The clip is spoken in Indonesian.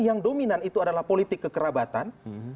yang dominan itu adalah politik kekerabatan